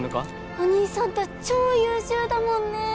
お兄さん達超優秀だもんね